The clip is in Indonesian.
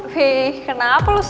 gila keren banget sih